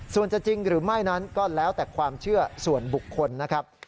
ส่วนจะจริงหรือไม่นั้นก็แล้วแต่ความเชื่อส่วนบุคคลนะครับ